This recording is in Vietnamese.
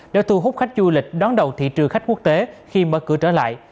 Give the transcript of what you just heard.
để thu hút khách du lịch đón đầu thị trường khách quốc tế khi mở cửa trở lại